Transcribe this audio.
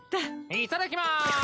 いただきま。